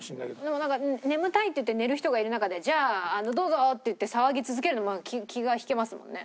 でもなんか「眠たい」って言って寝る人がいる中で「じゃあどうぞ！」って言って騒ぎ続けるのも気が引けますもんね。